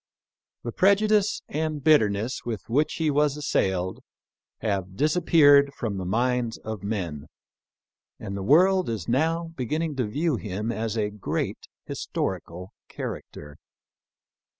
The prejudice and bitterness. with which he was assailed have disappeared from the minds of men, and the world is now beginning to view him as a great his torical character.